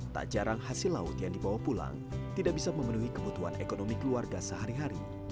tak jarang hasil laut yang dibawa pulang tidak bisa memenuhi kebutuhan ekonomi keluarga sehari hari